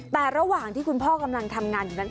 แต่ระหว่างที่คุณพ่อกำลังทำงานอยู่นั้น